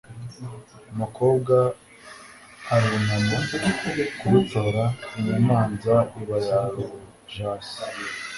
umukobwa arunama kurutora inyamanza iba yarujase